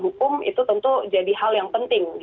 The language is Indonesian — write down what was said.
jadi itu adalah hal yang penting